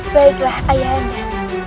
baiklah ayah anda